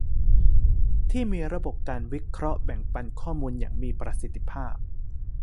ที่มีระบบการวิเคราะห์แบ่งปันข้อมูลอย่างมีประสิทธิภาพ